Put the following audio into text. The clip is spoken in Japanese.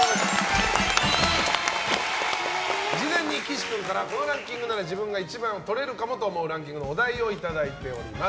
事前に岸君からこのランキングなら自分が１番をとれるかもと思うランキングのお題をいただいております。